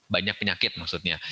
banyak penyakit maksudnya